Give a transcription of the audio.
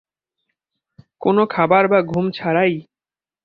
কোনো খাবার বা ঘুম ছাড়াই?